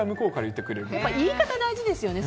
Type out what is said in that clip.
言い方大事ですよね。